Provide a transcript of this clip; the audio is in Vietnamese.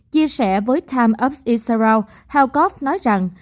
chia sẻ với times of israel helgort nói rằng